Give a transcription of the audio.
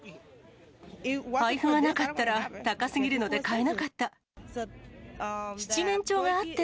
配布がなかったら、高すぎるので買えなかった。